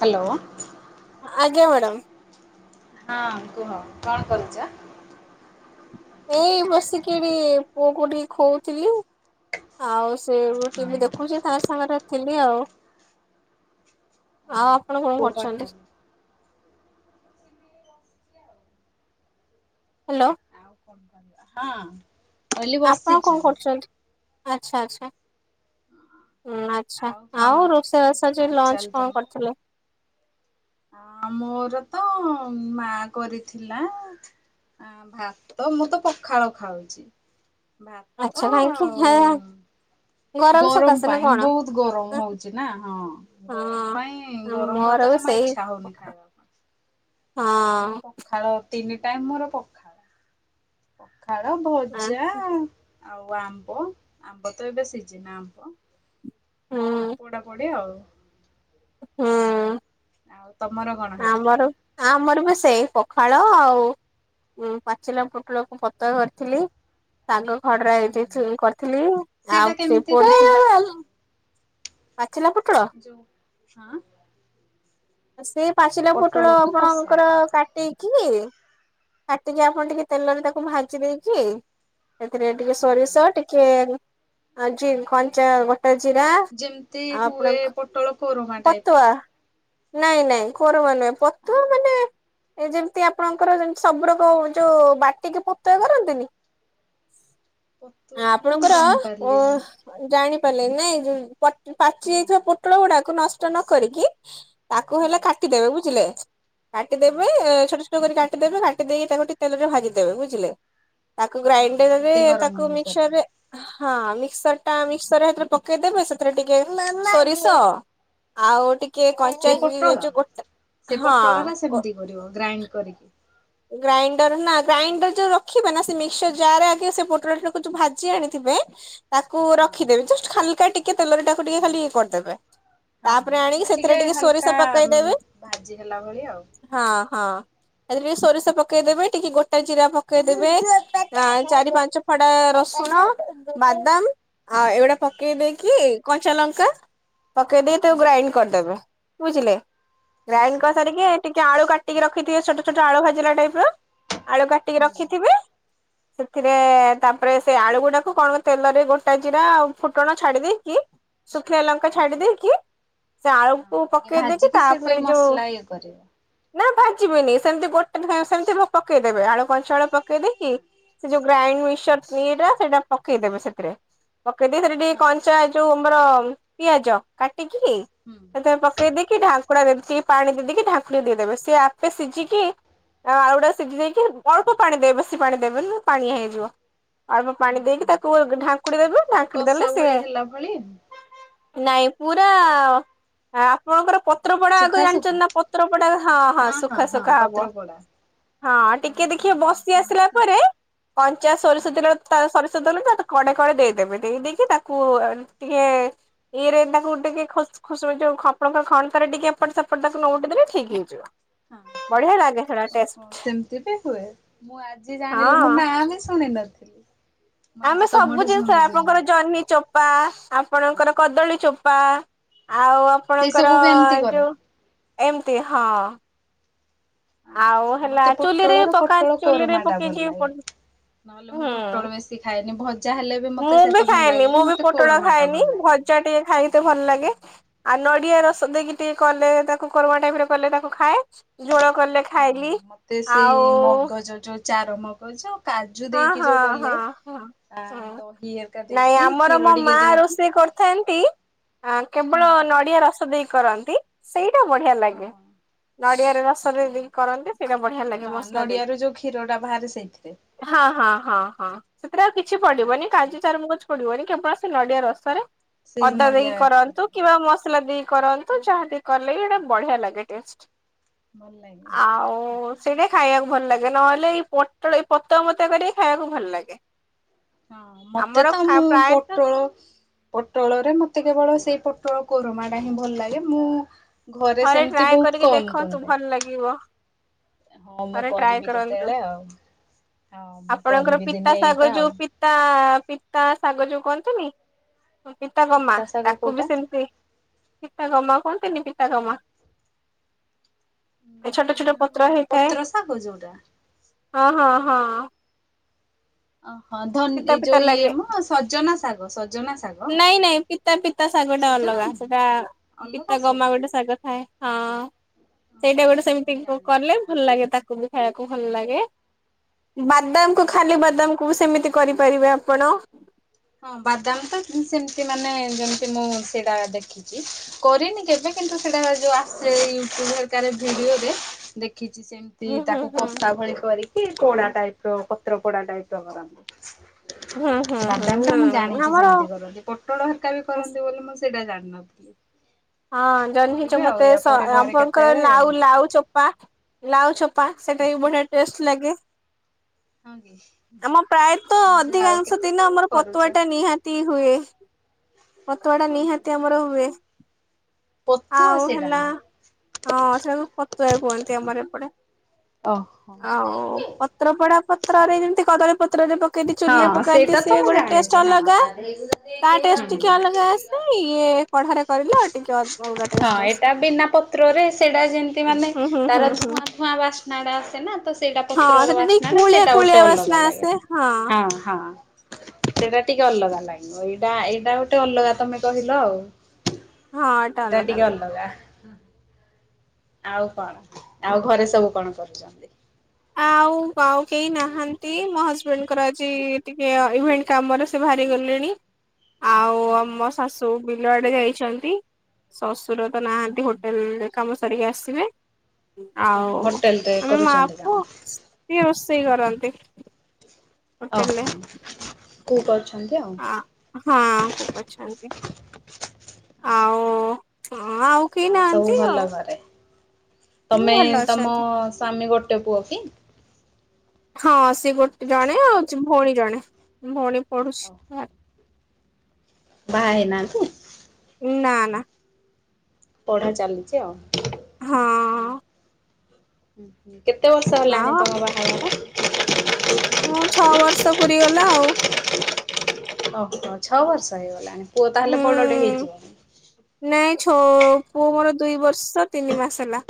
Hello. ଆଜ୍ଞା madam. ହଁ କୁହ କଣ କରୁଛ? ଏଇ ବସିକିରି ପୁଅ କୁ ଟିକେ ଖୋଉଥିଲି ଆଉ ସେ ଓହୋ। ଟିଭି ଦେଖୁଛି ତା ସାଙ୍ଗରେ ଥିଲି ଆଉ। ଆଉ ଆପଣ କଣ ପୁଅ କରୁଛନ୍ତି? ପାଖରେ ହ୍ୟାଲୋ। ହଁ। କହିଲି ଆପଣ ବସିଛି। କଣ କରୁଚନ୍ତି? ଆଚ୍ଛା ଆଚ୍ଛା। ହୁଁ ଆ ଆଚ୍ଛା। ଆଉ ରୋଷେଇବାସ ଆଜି ହାଲଚାଲ ଲଞ୍ଚ କଣ ତମର? କରିଥିଲେ? ଆ ମୋର ତ ମା କରିଥିଲା ଆ ଭାତ ମୁଁ ତ ପଖାଳ ଖାଉଛି। ଭାତ ଆଚ୍ଛା କାହିଁକି ଆଉ ହେଁ ଗରମ ସକାଶେ ନା ପାଇଁ କଣ? ବହୁତ ଗରମ ହଉଛି ନା ହଁ। ଗରମ ହଁ। ପାଇଁ ଗରମ ମୋର ଭାତ ବି ଜମା ଇଚ୍ଛା ସେଇ ଇଚ୍ଛା ହଉନି ଖାଇବାକୁ। ତମ ହଁ ପଖାଳ, ତିନି ଟାଇମ୍ ମୋର ପଖାଳ। ପଖାଳ, ହୁଁ ଭଜା ଆଉ ଆମ୍ବ, ଆମ୍ବ ତ ଏବେ ସିଜିନ ଆମ୍ବ ହୁଁ। ଆଉ ପୋଡ଼ା ପୋଡି ଆଉ। ହୁଁ। ଆଉ ତମର କଣ ହେଇଥିଲା? ଆମର ଆମର ବା ସେଇ ପଖାଳ ଆଉ ଉମ୍ ପାଚିଲା ପୋଟଳକୁ ପତୁଆ କରିଥିଲି ଶାଗ ଖଡରା ହୁଁ ହେଇଯାଇଛି ମୁଁ କରିଥିଲି ସେଇଟା ଆଉ ସେ କେମିତି ପୁ [inaudible] ହୁଏ? ପାଚିଲା ପୋଟଳ? ଯୋଉ ହଁ। ସେଇ ପାଚିଲା ପୋଟଳ ପୋଟଳକୁ କଷା ଆପଣଙ୍କର କାଟେଇକି କାଟିକି ଆପଣ ଟିକେ ତେଲରେ ତାକୁ ଭାଜି ଦେଇକି ସେଥିରେ ଟିକେ ସୋରିଷ ଟିକେ ଆ ଜି କଞ୍ଚା ଗୋଟା ଜିରା ଆଉ ଯେମିତି ହୁଏ ଆପଣଙ୍କ ପୋଟଳ କୋରୁ। ପତୁଆ, ନାଇଁ ନାଇଁ କୋରମା ନୁହେଁ। ଆଉ ପତୁଆ ମାନେ ଏ ଯେମତି ଆପଣଙ୍କର ଯେମତି ସବୁ ରକ ଯୋଉ ବାଟିକି ପତୁଆ କରନ୍ତିନି ପତୁଆ ମାନେ ମୁଁ ଜାଣିପାରିଲିନି। ଜାଣିପାରିଲେନି ନାଇଁ? ଯୋଉ ପଟ ପାଚି ହୁଁ। ଯାଇଥିବା ପୋଟଳ ଗୁଡାକୁ ନଷ୍ଟ ନକରିକି ତାକୁ ହଁ ହେଲା କାଟିଦେବେ, ବୁଝିଲେ? ହଁ କାଟିଦେବେ ଛୋଟ ଛୋଟ ଛୋଟ କରିକି କାଟିଦେବେ, କାଟି ଦେଇକି ତାକୁ ଟିକେ ତେଲରେ ଭାଜିଦେବେ, ବୁଝିଲେ? ତାକୁ ହଁ ଗ୍ରାଇଣ୍ଡରରେ, ଯେମିତି ଗରମ ତାକୁ କରିକି ମିକ୍ସଚରରେ ହଁ ମିକ୍ସରଟା ମିକ୍ସର ସେଥିରେ ପକେଇଦେବେ, ସେଥିରେ ଟିକେ ସୋରିଷ ଆଉ ଟିକେ ସେ କଞ୍ଚା ଏ ଇ ଇ ପୋଟଳ ଯୋଉ ଗୋଟା ସେ ହଁ ପୋଟଳ ଟା କ ସେମିତି କରିବ, ଗ୍ରାଇଣ୍ଡ କରିକି। ଗ୍ରାଇଣ୍ଡର ନା ଗ୍ରାଇଣ୍ଡର ଯୋଉ ରଖିବେ ନା, ସେ ମିକ୍ସର ଜାରରେ ଆଗେ ସେ ପୋଟଳଟାକୁ ଯୋଉ ଭାଜି ଆଣିଥିବେ ତାକୁ ହଁ ରଖିଦେବେ, ଜଷ୍ଟ ହାଲକା ଟିକେ ତେଲରେ ତାକୁ ଟିକେ ଖାଲି ଇଏ କରିଦେବେ। ହଁ ତାପରେ ଆଣିକି ଯେମତି ସେଥିରେ ଟିକେ ସୋରିଷ ହାଲକା ପକେଇଦେବେ ଭାଜି ହେଲା ଭଳି ଆଉ। ହଁ ହଁ। ତା ଦେହରେ ଟିକେ ସୋରିଷ ପକେଇଦେବେ, ଟିକେ ଗୋଟା ଜିରା ପକେଇଦେବେ, ଚାରି ପାଞ୍ଚ ଫଡା ରସୁଣ ବାଦାମ ଆଉ ଏଗୁଡା ପକେଇଦେଇକି, କଞ୍ଚା ଲଙ୍କା ପକେଇଦେଇ ତାକୁ ହଁ ଗ୍ରାଇଣ୍ଡ କରିଦେବେ, ବୁଝିଲେ। ଗ୍ରାଇଣ୍ଡ ଆଚ୍ଛା। କରିସାରିକି ଟିକେ ଆଳୁ କାଟିକି ରଖିଥିବେ ଛୋଟ ଛୋଟ ଆଳୁ ଭାଜିଲା ଟାଇପର, ଆଳୁ କାଟିକି ହୁଁ ରଖିଥିବେ ସେଥିରେ ତାପରେ ସେ ଆଳୁ ଗୁଡାକୁ କଣ ତେଲରେ ଗୋଟା ଜିରା ଆଉ ଫୁଟଣ ଛାଡି ଦେଇକି ଶୁଖିଲା ଲଙ୍କା ଛାଡ଼ି ଦେଇକି ସେ ହଁ ଆଳୁକୁ ଟିକେ ପକେଇ ଦେଇକି ଭାଜିକି ସେଠୁ ତାପରେ ଏଇ ଯୋଉ ମସଲା ଇଏ କରିବ। ନା ଭାଜିବେନି, ସେମତି ଗୋଟା ସେ-ସେମତି ପକେଇଦେବେ, ଆଳୁ କଞ୍ଚା ଆଳୁ ପକେଇ ଦେଇକି ସେ ଯୋଉ ଗ୍ରାଇଣ୍ଡ ମିକ୍ସଚର ଇଏଟା ସେଇଟା ପକେଇଦେବେ ସେଥିରେ। ପକେଇ ଦେଇ ସେଇଟା ଟିକେ ହଁ। କଞ୍ଚା ଯୋଉ ଆମର ପିଆଜ, କାଟିକି ହୁଁ। ସେଇଟା ପକେଇ ଦେଇକି ଢାଙ୍କୁଡ଼ା ଯେମତିି ପାଣି ଦେଇକି ଢାଙ୍କୁଣୀ ଦେଇଦବେ, ସିଏ ଆପେ ସିଝିକି ଆଉ ଆଳୁ ଗୁଡ଼ା ସିଝି ଦେଇକି, ଅଳ୍ପ ପାଣି ଦେବେ ବେଶୀ ପାଣି ଦେବେନି ପାଣିଆ ହେଇଯିବ। ଆଳପ ପାଣି ଦେଇକି ତାକୁ ଢାଙ୍କୁଡି ଦେବୁ ଢାଙ୍କୁଡି କଷା ଦେଲେ ଭଳି ସିଏ ହେଲା ଭଳି ନାଇଁ ପୁରା ଆ ଆପଣଙ୍କର ପତ୍ରପଡା ଆଗ ସୁଖା ଜାଣିଛନ୍ତି ସୁୁଖା। ନା ପତ୍ରପଡା ହଁ ହଁ ସୁଖା ହଁ ସୁୁଖା ପତ୍ର ହବ। ପୋଡା। ହଁ ଟିକେ ଓହୋ ଦେଖିବେ ବସି ଆସିଲା ସେମିତି। ପରେ କନଚା ହଁ। ସୋରିଷ ତେଲ ତା ସରିଷ ଦେଲେ ତା କଡେ କଡେ ଦେଇଦେବେ ଦେଇ ଦେଇକି ତାକୁ ଟିକେ ଇରେ ତାକୁ ଟିକେ ଖସ ଖୁସ ଆପଣଙ୍କ ଖଣତରେ ଟିକେ ଏପଟ ସେପଟ ତାକୁ ନଉଟେଇ ଦେଲେ ଠିକ ହେଇଯିବ ହଁ। ବଢିଆ ଲାଗେ। ସେଟା ଟେଷ୍ଟ ଓହୋ ସେମିତି ବି ହୁଏ ମୁଁ ଆଜି ଜାଣିଲି ମୁଁ ହଁ ନାଁ ବି ଶୁଣି ନଥିଲି। ମୁଁ ଆଜି ଆମେ ସବୁ ତମଠୁ ଜିନିଷ ଶୁଣୁଛି ନା ଆପଣଙ୍କର ଜହ୍ନି ଚୋପ ପା ଆପଣଙ୍କର କଦଳୀ ଚୋପା ଆଉ ସେଇ ସବୁ ଆପଣଙ୍କର ବି ଏମିତି ଏ କର? ଯୋଉ ଏମିତି ହଁ। ଆଉ ଆଚ୍ଛା ହେଲା ମତେ ଚୁଲିରେ ପୋଟଳର ପକା ପୋଟଳ ଚୁଲିରେ କୋରମା ଟା ଭଲ ପକେଇକି ଲାଗେ ନହେଲେ ମୁଁ ହୁଁ। ପୋଟଳ ବେଶୀ ଖାଏନି ଭଜା ହେଲେ ବି ମତେ ସେତେ ଭଲ ଲାଗେନି, ମତେ କୋରମାଟା ଭଲ ଲାଗେ। ଚା ଟିକେ ଖାଇତେ ଭଲ ଲାଗେ। ଆ ନଡିଆ ରସ ଦେଇକି ଟିକେ କଲେ ତାକୁ କୋରମା ଟାଇପରେ କଲେ ତାକୁ ଖାଏ ଜୋଳ କଲେ ହଁ ଖାଇଲି ମତେ ଆଉ ସେଇ ମଗଜ ଯୋଉ ଚାର ମଗଜ କାଜୁ ହଁ ଦେଇକି ହଁ ଯୋଉ ହଁ କଲେ ଆ ହଁ ଦହି ହେରିକା ନାଇଁ ଦେଇକି ଆମର କ୍ଷୀର ମୋ ଟିକେ ମା ଦେଇକି ରୋଷେଇ କରିଥାନ୍ତି ଆ ହୁଁ କେବଳ ନଡିଆ ରସ ଦେଇ କରନ୍ତି। ସେଇଟା ବଢିଆ ଲାଗେ, ଓହୋ ନଡିଆରେ ଓ ରସରେ ଦେଇ କରନ୍ତି ସେଇଟା ବଢିଆ ଲାଗେ ମସଲା ଦେଇକି। କ୍ଷୀରଟା ବାହାରେ ସେଇଥିରେ। ହଁ ହଁ ହଁ ହଁ ସେଥିରେ ଆଉ କିଛି ପଡିବନି ଆଚ୍ଛା କାଜୁ ଚାରୁମଗଜ ପଡିବନି କେବଳ ସେ ନଡିଆ ରସରେ ସେଇ ଅଦା ନଡିଆ ଦେଇକି କରନ୍ତୁ କ୍ଷୀରରେ କିମ୍ବା ମସଲା ଦେଇକି କରନ୍ତୁ। ତ ଯାହାବି କଲେ ସେଇଟା ବଢିଆ ଲାଗେ ଟେଷ୍ଟ ଭଲ ଲାଗେ ଆଉ ସେଇଟା ଖାଇବାକୁ ଭଲ ଲାଗେ ନହେଲେ ଏଇ ପୋଟଳ ଏଇ ପତଳା ମତା କରିକି ଖାଇବାକୁ ଭଲ ଲାଗେ। ହଁ ମତେ ଆମର ତ ମୁଁ ପ୍ରାୟତଃ ପୋଟଳ ପୋଟଳରେ ମତେ କେବଳ ସେଇ ପୋଟଳ କୋରମା ଟା ହିଁ ଭଲ ଲାଗେ ମୁଁ ଘରେ ଥରେ ସେମିତି ଟ୍ରାଏ ବହୁତ କରିକି କମ ଦେଖନ୍ତୁ କରାଯାଏ। ଭଲ ଲାଗିବ। ହଁ ମୁଁ ଥରେ ଟ୍ରାଏ କରିବି କରନ୍ତୁ। କେତେବେଳେ ଆଉ ହଁ ମୁଁ କରିବି ଦିନେ ଏଇଟା ଆଉ। ତା ପିତା ଶାଗ ଯୋଉ କୁହନ୍ତୁନି। ପିତା ଗମା ଇତା ଶାଗ ତାକୁ ବି କୋଉଟା? ସେମିତି ପିତା ଗମା କୁହନ୍ତିନି ପିତା ଗମା। ଛୋଟ ଛୋଟ କେଜାଣି ପତ୍ର ହେଇଥାଏ। ଶାଗ ଯୋଉଟା। ହଁ ହଁ ହଁ। ଅ ହ ଧନ ପିତା ଏ ପିତା ଯୋଉ ଲାଗେ। ଇଏମ ସଜନା ଶାଗ ସଜନା ଶାଗ। ନାଇଁ ନାଇଁ ପିତା ପିତା ଶାଗଟା ସଜନା ଅଲଗା ନୁହଁ ସେଟା ଅଲଗା ପିତା ଗମା ସେଟା ଗୋଟେ ଶାଗ ଥାଏ। ହଁ ଓହୋ ସେଇଟା ଗୋଟେ ମୁଁ ସେମିତି ଜାଣିନି କଲେ ଭଲ ତାହେଲେ। ଲାଗେ ତାକୁ ଖାଇବାକୁ ଭଲ ଲାଗେ ବାଦାମକୁ ଖାଲି ବାଦାମକୁ ସେମିତି କରିପାରିବେ ଆପଣ। ହଁ ବାଦାମ ତ ସେମିତି ମାନେ ଯେମିତି ମୁଁ ସେଟା ଦେଖି କରିନି କେବେ କିନ୍ତୁ ସେଟା ଯୋଉ ଆସେ ୟୁଟ୍ୟୁବ୍ ହେରିକା ଭିଡିଓରେ ଦେ ଖିଛି ସେମିତି ହୁଁ ହୁଁ ତାକୁ ହୁଁ କଷା ଭଳି କରିକି ପୋଡା ଟାଇପର ପତ୍ର ପୋଡା ଟାଇପର ହୁଁ ହୁଁ କରନ୍ତି। ବାଦାମ। ହୁଁ ଟା ନା ମୁଁ ଜାଣିଛି ଆମର ସେମିତି କରନ୍ତି ପୋଟଳ ହରକାବି କରନ୍ତି ବୋଲି ମୁଁ ସେଇଟା ଜାଣିନଥିଲି। ହଁ ଜହ୍ନିଛ କରିବେ ଆଉ ମତେ ୟା ସ ପରେ ଘରେ ଆପଣଙ୍କର କେତେବେଳେ ଲାଉ ଲାଉ ଚୋ ପା ଲାଉ ଚୋପା ସେଟା ବି ବଢିଆ ଟେଷ୍ଟ ଲାଗେ। ହଁ। କି? ଆମ ପ୍ରାୟତଃ ଯାହା ଆଉ ଅଧିକାଂଶ କେତେ ଦିନ ସବୁ ଆମର କରୁଛ ପତୁଆଟା ନିହାତି ହୁଏ। ପତୁଆଟା ହଁ କି ନିହାତି ଆମର ହୁଏ। ପତୁଆ ଆଉ ସେଇଟା ହେଲା ନା ହଁ ସେଟାକୁ ପତୁଆ କୁହନ୍ତି ଆମର ଏପଟେ। ଅ ହ। ଆଉ ପତ୍ର ପଡା ପତ୍ରରେ ଯେମିତି କଦଳୀ ପତ୍ରରେ ପ ପକେଇକି ଚୁଲି ହଁ ରେପକାନ୍ତି ସେଇଟା ସେ ତ ମୁଁ ଗୋଟେ ଜାଣିଛି ଟେଷ୍ଟେ ହଁ। ଅଲଗା ତା ଟେଷ୍ଟେ ଟିକେ ଅଲଗା ଆସେ ଇଏ କଢାରେ କରିଲେ ଆଉ ଟିକେ ଅଲଗା ହଁ ଟେଷ୍ଟେ ଏଇଟା ଆସେ। ବିନା ପତ୍ରରେ ସେଇଟା ଯେମତି ମାନେ ହୁଁ ହୁଁ ହୁଁ ତାର ହୁଁ ଧୂଆଁ ଧୂଆଁ ବାସ୍ନାଟା ଆସେ ନା ତ ସେଇଟା। ହଁ ପତ୍ରର ସେଟା ଟିକେ ବାସ୍ନା ଟା କୁଳିଆ ସେଇଟା ଗୋଟେ କୁଳିଆ ଅଲଗା ବାସ୍ନା ଲାଗେ। ଆସେ ହଁ। ହଁ ହଁ। ସେଇଟା ଟିକେ ଅଲଗା ଲାଗିବ ଏଇଟା ଏଇଟା ଗୋଟେ ଅଲଗା ତମେ କହିଲ ଆଉ ହଁ ଏଟା ଏଇଟା ଟିକେ ଲାଗେ। ଅଲଗା। ଆଉ କଣ ଆଉ ଘରେ ସବୁ କଣ କରୁଚନ୍ତି? ଆଉ ଆଉ କେହି ନାହାନ୍ତି ମୋ ହଜବେଣ୍ଡଙ୍କର ଆଜି ଟିକେ ଇଭେଣ୍ଟ କାମରେ ସେ ବାହାରି ଗଲେଣି। ଆଉ ଆମ ଓହୋ ଶାଶୁ ବିଲଆଡେ ଯାଇଚନ୍ତି। ଶଶୁର ତ ନାହାନ୍ତି ହୋଟେଲରେ କାମ ସରିକି ଆସିବେ ଓହୋ ଆଉ ହୋଟେଲରେ ଆମେ ମା କରୁଛନ୍ତି କାମ ପୁଅ ସିଏ ରୋଷେଇ କରନ୍ତି ହୋଟେଲରେ ଓହୋ କୁକ୍ ଅଛନ୍ତି ଆଉ ହଁ କୁକ୍ ଅଛନ୍ତି ଆଉ ହଁ ଆଉ କେହି ସବୁ ନାହାନ୍ତି ଭଲ ଆଉ ଘରେ? ମୁଁ ତମେ ଭଲ ତମ ଅଛନ୍ତି। ସ୍ୱାମୀ ଗୋଟେ ପୁଅ କି ହଁ ସେ ଗୋଟେ ଜଣେ ଆଉ ଭଉଣୀ ଜଣେ ଭଉଣୀ ପଢୁଚି। ବାହା ହେଇନାହାନ୍ତି। ନା ନା। ପଢା ଚାଲିଚି ଆଉ ହଁ। କେତେ ବର୍ଷ ହେଲାଣି ଆଉ ତମ ବାହାଘର। ହଁ ଛଅ ବର୍ଷ ପୁରି ଗଲା ଆଉ। ଓହୋ ଛଅ ବର୍ଷ ହେଇଗଲାଣି ପୁଅ ତାହେଲେ ହୁଁ ବଡ ଟେ ହେଇଯିବ। ନାଇଁ ଛଅ ପୁଅ ମୋର ଦୁଇ ବର୍ଷ ତିନି ମାସ ହେଲା।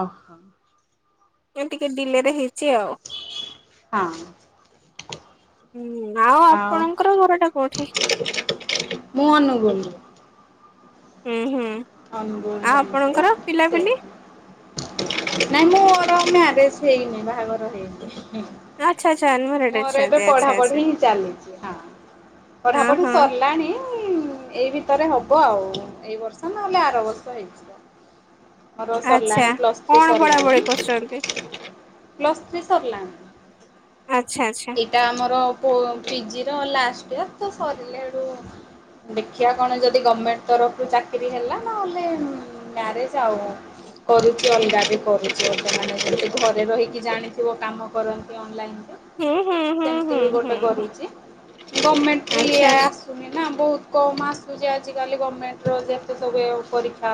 ଅହ। ମୁ ଟିକେ ଡିଲେ ରେ ହେଇଚି ଆଉ। ହଁ। ଆଉ ଆପଣଙ୍କର ଘର ଟା କୋଉଠି। ମୁଁ ଅନୁଗୁଳୁରୁ। ହୁଁ ହୁଁ। ଅନୁଗୁଳୁ ଆଉ ଜାଣିଥିବ ଆପଣଙ୍କର ପିଲାପିଲି ସେଇ ନାଇଁ ମୁଁ ର ମ୍ୟାରେଜ ହେଇନି ବାହାଘର ହେଇନି। ଆଚ୍ଛା ଆଚ୍ଛା ଅନମ୍ୟାରେଡ ମୋର ଏବେ ଅଛନ୍ତି ପଢା ଆଚ୍ଛା ଆଚ୍ଛା। ପଢି ଚାଲିଚି ହଁ। ପଢାପଢି ଓହୋ ସରିଲାଣି ଏଇ ଭିତରେ ହବ ଆଉ ଏଇ ବର୍ଷ ନହେଲେ ଆର ବର୍ଷ ହେଇଯିବ। ମର ଆଚ୍ଛା ସରିଲାଣି ପ୍ଲସ୍ ଥ୍ରୀ କଣ ପଢାପଢି ସରିଲାଣି। କରୁଛନ୍ତି? ପ୍ଲସ୍ ଥ୍ରୀ ସର୍ଲାଣି। ଆଚ୍ଛା ଆଚ୍ଛା। ଏଇଟା ଆମର ପୋ ପିଜିର ଲାଷ୍ଟ ଇୟର ତ ସରିଲାଡୁ ଦେଖିଆ କଣ ଯଦି ଗମେଣ୍ଟ ତରଫ୍ରୁ ଚା କିରି ହେଲା ନହେଲେ ମ୍ୟାରେଜ ଆଉ। କରୁଚି ଅଲଗା ବି କରୁଚି ବର୍ତମାନେ ଯେମତି ଘରେ ରହିକି ଜାଣିଥିବ କାମ କରନ୍ତି ଅନଲାଇନରେ। ହୁଁ ହୁଁ ହୁଁ ସେମତି ହୁଁ ବି ଗୋଟେ ହୁଁ ହୁଁ କରୁଚି ଆଚ୍ଛା ଗମେଣ୍ଟଲିଆ ଆଚ୍ଛା। ଶୁନେ ନା ବୋହୁତ କମ୍ ଆସୁଚି ଆଜିକାଲି ଗର୍ମେଣ୍ଟର ଯେତେ ସବୁ ଏ ପରୀକ୍ଷା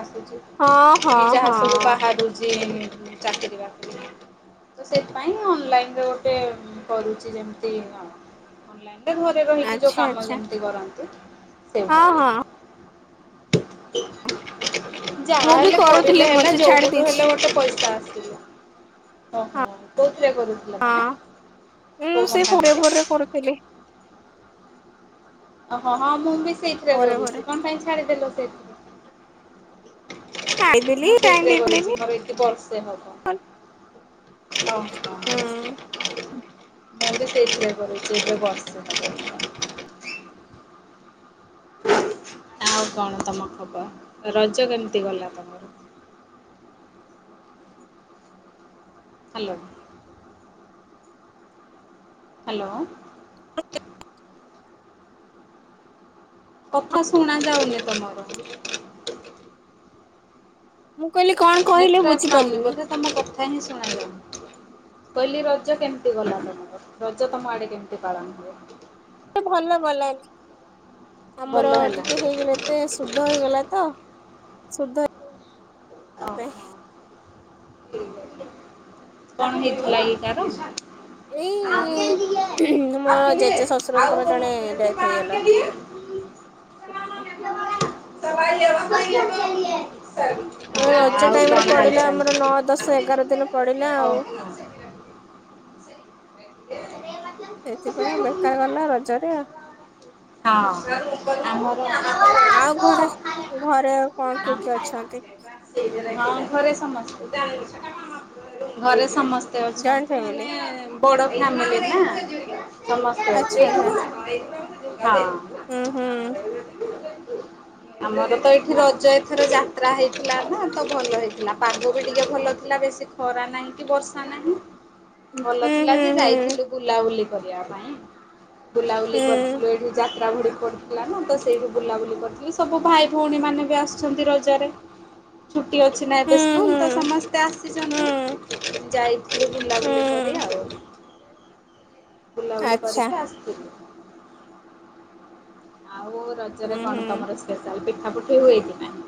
ହଁ ଆସୁଚି। ହଁ କି ଯାହା ହଁ ସବୁ ବାହାରୁଚି ଚାକିରି ବାକିରି। ତ ସେଇଥି ପାଇଁ ଅନଲାଇନ ରେ ଗୋଟେ କରୁଚି ଯେମତି ହ ଅନଲାଇନ। ଘରେ ରହିକି ଯୋଉ ଆଚ୍ଛା କାମ ଆଚ୍ଛା ଯେମତି କରନ୍ତି ହଁ ସେଇଭଳିଆ। ହଁ। ଯାହା ମୁଁ ବି ହେଲେ କରୁଥିଲି କରିଲେ ହେଲା ମଝିରେ ଯୋଉ ଛାଡି ପଟୁ ଦେଇଛି ହେଲେ ଗୋଟେ ପଇସା ଆସିଲା। ଓହୋ ହଁ କୋଉଥିରେ କରୁଥିଲେ ହଁ ମାନେ କୋଉ କମ୍ପାନୀ ରେ? ହେଲେ ଓହୋ ହଁ ମୁଁ ବି ସେଇଥିରେ ପରେ ପରେ କରୁଛି କଣ ପାଇଁ ଛାଡିଦେ ସେଇଠି ଖାଇଦେଲି ମୁଁ ଟାଇମ ସେଇଥିରେ ଦେଇପାରିଲିନି କରିଛି ମୋର ଏତେ ବର୍ଷେ ହବ। ହୋଉ ହ ମୁଁ ବି ହୁଁ। ସେଇଥିପାଇଁ କରୁଛି ସେ ବର୍ଷେ ଆଉ କଣ ତମ ଖବର ରଜ କେମିତି ଗଲା ତୁମର? ହ୍ୟାଲୋ। ହ୍ୟାଲୋ। ହ [inaudible] କଥା ଶୁଣା ଯାଉନି ତମର। ମୁଁ କହିଲି କଣ କହିଲେ ନେଟୱାର୍କ ପାଉନି ବୁଝିପାରିଲିନି? ବୋଧେ ତମ କଥା ହିଁ ଶୁଣାଯାଉନି। କହିଲି ରଜ କେମିତି ଗଲା ତମର ରଜ ତମ ଆଡେ କେମିତି ପାଳନ ହୁଏ? ଭଲ ଗଲା ଆମର ଭଲ ହେଲା। ଟିକେ ହେଇଗଲେ ଏତେ ଶୁଦ୍ଧ ହେଇଗଲା ତ। ଓହୋ ଶୁଦ୍ଧରେ। କଣ ହେଇଥିଲା କି କାହାର? ଆପ୍ ଏଇ କେଲିଏ ମୋ ଜେଜେ ଆଉ ଶ୍ୱଶୁରଙ୍କର ଜଣେ ଯେତିକି ଡେଥ୍ ପାଣି ହେଇଗଲା। କେଲିଏ। [unintelligible] ଓହୋ ଏ ରଜ ଆଉ ଟାଇମ ରେ କଣ ହାଲ ପଡିଲା ଚାଲ ଆମର ନଅ କୁହ। ଦଶ ଏଗାର ଦିନ ପଡେ। ଓହୋ। ସେଥିପାଇଁ ବେକାର ଗଲା ରଜରେ ଆଉ। ହଁ ଆମର। ଆଉ ଘରେ ଘରେ ଆଉ କଣ କିଏ କିଏ ଅଛନ୍ତି? ହଁ ଘରେ ସମସ୍ତେ ଘରେ ସମସ୍। ତ ଜଏଣ୍ଟ ଅଛନ୍ତି ଫ୍ୟାମିଲି ମାନେ ବଡ ଫାମିଲି ନା। ଆଚ୍ଛା ସମସ୍ତେ ଆଚ୍ଛା ଅଛନ୍ତି ହଁ। ହୁଁ ହୁଁ। ଆମର ତ ଏଠି ରଜ ଏଥର ଯାହା। ଯାତ୍ରା ହେଇଥିଲା ନା ତ ଭଲ ହେଇଥିଲା ପାଗ ବି ଟିକେ ଭଲ ଥିଲା ବେଶୀ ଖରା ନାହିଁ କି ବର୍ଷା ନାହିଁ। ଭଲ ହୁଁ ଥିଲା ହୁଁ ଯେ ହୁଁ ଯାଇଥିଲୁ ବୁଲାବୁଲି କରିବା ପାଇଁ ବୁଲାବୁଲି କରିଥିଲୁ ଏଇଠି ଯାତ୍ରା ଘଡି ପଡ଼ିଥିଲା ନା ତ ସେଇଠୁ ବୁଲାବୁଲି କରିଥିଲି ସବୁ ଭାଇ ଭଉଣୀ ମାନେ ବି ଆସିଛନ୍ତି ରଜରେ। ଛୁଟି ଅଛି ନା ହୁଁ ଏବେ ହୁଁ ସ୍କୁଲ ହୁଁ ତ ସମସ୍ତେ ହୁଁ ଆସିଛନ୍ତି। ଯାଇ ବୁଲାବୁଲି କରି ହୁଁ। ଆଉ ବୁଲାବୁଲି ଆଚ୍ଛା କରିକି ଆସିଥିଲୁ। ଆଉ ରଜରେ ହୁଁ କଣ ହୁଁ ତମର ସ୍ପେଶାଲ ପିଠା ପୁଠି ହୁଏକି ନାଇଁ?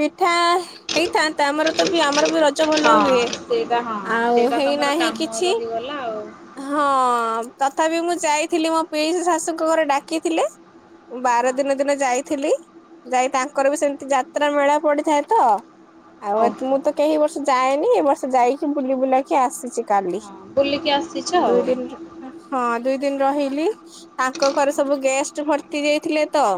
ପିଠା ହେଇଥାନ୍ତା ଆମର ତ ବି ଆମର ବି ରଜ ଭଲ ହୁଏ। ହଁ ସେଇଟା ହଁ ଆଉ ସେଇଟା ତମର ହେଇନାହିଁ କାମ କିଛି ରହିଗଲା ଆଉ। ହଁ ତଥାପି ମୁଁ ଯାଇଥିଲି ମୋ ପିଇଷି ଶାଶୁଙ୍କ ଘର ଡାକିଥିଲେ। ମୁଁ ବାର ହଁ ଦିନ ଦିନ ଯାଇଥିଲି ଯାଇ ତାଙ୍କର ବି ସେମିତି ଯାତ୍ରା ମେଳା ପଡିଥାଏ ତ। ଆଉ ଏ ଓହୋ ମୁଁ ତ ହଁ କେହି ଏ ବର୍ଷ ଯାଏନି ଏ ବର୍ଷ ଯାଇକି ବୁଲି ବୁଲାକି ଆସିଛି। କାଲି ବୁଲିକି ଆସିଛ ଆଉ ଦୁଇ ଦିନିର। ହଁ ଦୁଇ ଦିନି ରହିଲି ତାଙ୍କ ଘରେ ସବୁ ଗେଷ୍ଟ ଭର୍ତ୍ତି ଯାଇଥିଲେ ତ।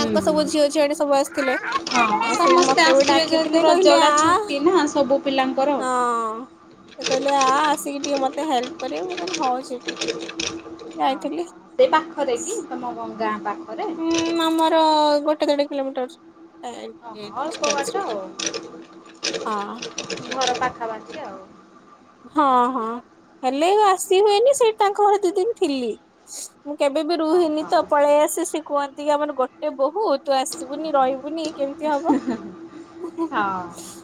ତାଙ୍କ ସବୁ ଝିଅ ଝିଆଣି ସବୁ ଆସିଥିଲେ। ହଁ ଆଉ ସେ ସମସ୍ତେ ମତେ ବି ଆସିବେ ଯେହେତୁ ଡାକିଥିଲେ କହିଲେ ରଜଟା ଆ ଛୁଟି ନା ସବୁ ପିଲାଙ୍କର। ହଁ। ସେ କହିଲେ ଆ ଆସିକି ଟିକେ ମତେ ହେଲ୍ପ କରିବୁ ମୁଁ କହିଲି ହୋଉ ଯିବି। ଯାଇଥିଲି। ସେଇ ପାଖରେ କି ତମ ଗାଁ ପାଖ। ଉଁ ଆମର ଗୋଟେ ଦେଢ କିଲୋମିଟର। [unintelligible] ଓହୋ ଅଳ୍ପ ବାଟ ଡିଷ୍ଟାସ ଆଉ ହଁ। ଘର ପାଖାପାଖି ଆଉ। ହଁ ହଁ ହେଲେ ଆସି ହୁଏନି ସେଇଠି ତାଙ୍କ ଘରେ ଦି ଦିନି ଥିଲି। ମୁଁ କେବେ ବି ହଁ ରୁହେନି ହଁ ତ ପଳେଇ ଆସେ ସେ କୁହନ୍ତି କି ଆମର ଗୋଟେ ବୋହୁ ତୁ ଆସିବୁନି ରହିବୁନି କି ହବ? ହଁ।